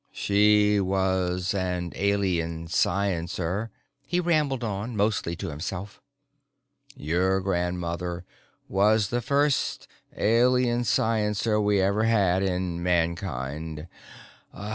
"She was an Alien sciencer," he rambled on, mostly to himself. "Your grandmother was the first Alien sciencer we ever had in Mankind.